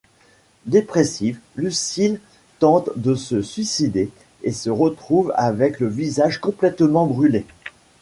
Dépressive, Lucille tente de se suicider et se retrouve avec le visage complètement brûlé.